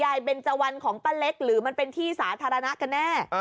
่ายเว่นจวัลของป้าเล็กหรือเป็นที่สาธารณะกันแน่